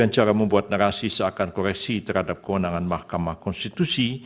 dan cara membuat narasi seakan koreksi terhadap kewenangan mahkamah konstitusi